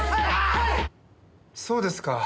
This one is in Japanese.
そうですか。